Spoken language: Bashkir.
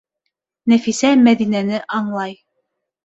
Нәфисә Мәҙинәне аңлай.